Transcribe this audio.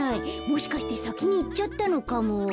もしかしてさきにいっちゃったのかも。